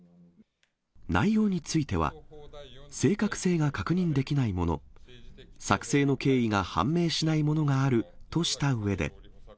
内容については、正確性が確認できないもの、作成の経緯が判明しないものがあるとしたうえで。